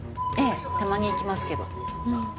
ええたまに行きますけど。